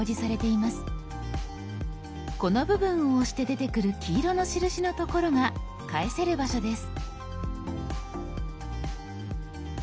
この部分を押して出てくる黄色の印のところが返せる場所です。